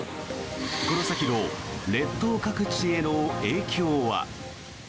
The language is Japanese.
この先の列島各地への影響は。